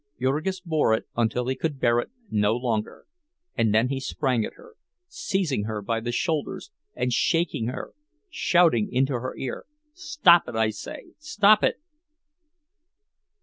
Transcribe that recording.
Jurgis bore it until he could bear it no longer, and then he sprang at her, seizing her by the shoulders and shaking her, shouting into her ear: "Stop it, I say! Stop it!"